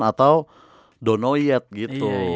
atau don t know yet gitu